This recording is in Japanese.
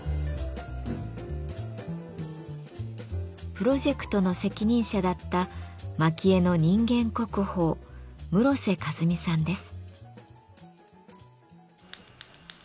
プロジェクトの責任者だった蒔絵の人間国宝室瀬和美さんです。